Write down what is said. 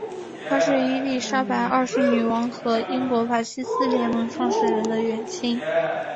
他是伊丽莎白二世女王和英国法西斯联盟创始人的远亲。